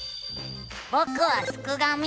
ぼくはすくがミ。